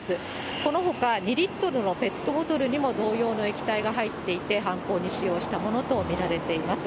このほか、２リットルのペットボトルにも、同様の液体が入っていて、犯行に使用したものと見られています。